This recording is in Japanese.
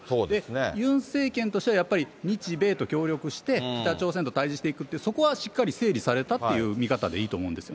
ユン政権としては、やっぱり日米と協力して、北朝鮮と対じしていくっていう、そこはしっかり整理されたっていう見方でいいと思うんですよね。